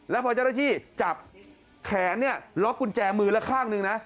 แล้วพอเจ้าระชิ่งจับแขนล็อกกุญแจมือละข้างหนึ่ง